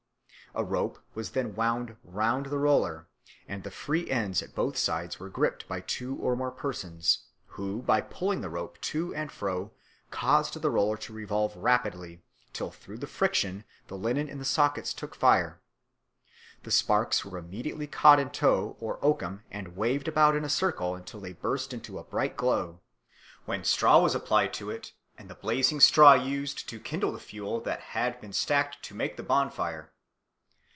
A rope was then wound round the roller, and the free ends at both sides were gripped by two or more persons, who by pulling the rope to and fro caused the roller to revolve rapidly, till through the friction the linen in the sockets took fire. The sparks were immediately caught in tow or oakum and waved about in a circle until they burst into a bright glow, when straw was applied to it, and the blazing straw used to kindle the fuel that had been stacked to make the bonfire.